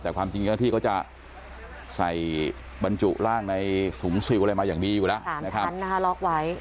แต่ความจริงก็ที่เขาจะใส่บรรจุร่างในสูงซิวต์เลยมาอย่างนี้อยู่แล้ว